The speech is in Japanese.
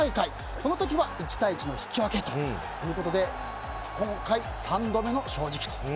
この時は１対１の引き分けということで今回、三度目の正直と。